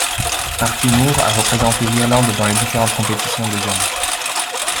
Marty Moore a représenté l'Irlande dans les différentes compétitions de jeunes.